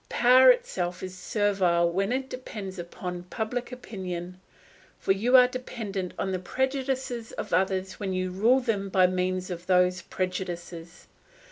Power itself is servile when it depends upon public opinion; for you are dependent on the prejudices of others when you rule them by means of those prejudices.